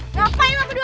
ngapain lo berdua